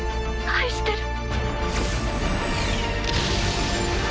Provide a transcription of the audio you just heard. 愛してる。